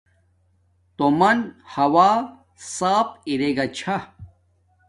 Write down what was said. تومن ہوا صاف ارا گا چھا